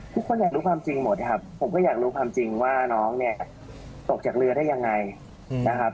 ทุกคนอยากรู้ความจริงหมดนะครับผมก็อยากรู้ความจริงว่าน้องเนี่ยตกจากเรือได้ยังไงนะครับ